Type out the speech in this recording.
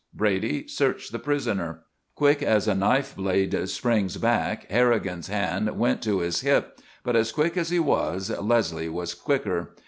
Brady, search the prisoner." Quick as a knife blade springs back Harrigan's hand went to his hip; but as quick as he was, Leslie was quicker.